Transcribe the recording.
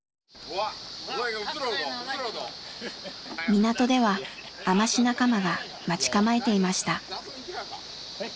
港では海士仲間が待ち構えていました。